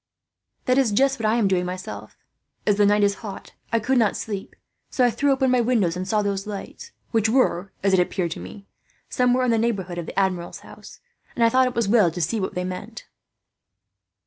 "That is just what I am doing, myself. As the night is hot, I could not sleep; so I threw open my window, and saw those lights, which were, as it appeared to me, somewhere in the neighbourhood of the Admiral's house; and I thought it was as well to see what they meant."